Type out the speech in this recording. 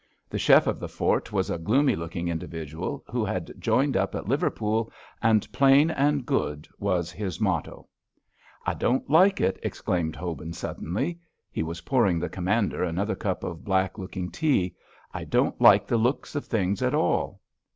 The chef of the fort was a gloomy looking individual who had joined up at Liverpool and plain and good was his motto. "I don't like it," exclaimed Hobin, suddenly. He was pouring the Commander another cup of black looking tea. "I don't like the look of things at all."